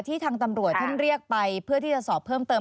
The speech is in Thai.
ทางตำรวจท่านเรียกไปเพื่อที่จะสอบเพิ่มเติม